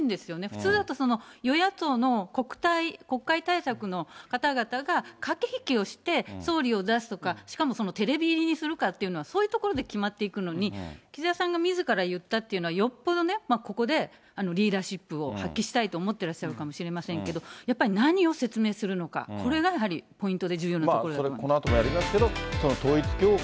普通だと与野党の国会対策の方々が駆け引きをして、総理を出すとか、しかもそのテレビ入りにするかっていうのは、そういうところで決まっていくのに、岸田さんがみずから言ったっていうのは、よっぽどね、ここでリーダーシップを発揮したいと思っていらっしゃるかもしれませんけれども、やっぱり何を説明するのか、これがやはりポイン